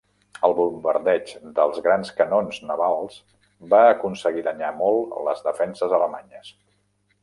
El bombardeig dels grans canons navals va aconseguir danyar molt les defenses alemanyes.